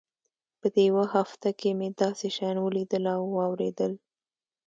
په دې يوه هفته کښې مې داسې شيان وليدل او واورېدل.